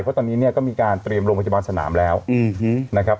เพราะตอนนี้เนี่ยก็มีการเตรียมโรงพยาบาลสนามแล้วนะครับ